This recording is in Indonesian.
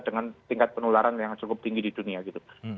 dengan tingkat penularan yang cukup tinggi di dunia gitu